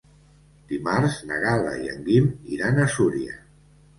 Dimarts na Gal·la i en Guim iran a Súria.